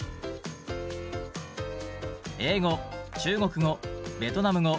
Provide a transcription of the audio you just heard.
中国語ベトナム語